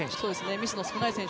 ミスの少ない選手